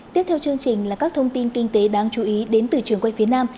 tiếp theo chương trình là các thông tin kinh tế đáng chú ý đến từ trường quay phía nam